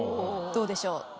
どうでしょう？